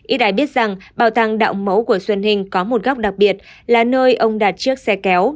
ít ai biết rằng bảo tàng đạo mẫu của xuân hình có một góc đặc biệt là nơi ông đạt chiếc xe kéo